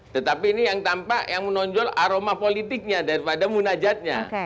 tetapi ini yang tampak yang menonjol aroma politiknya daripada munajatnya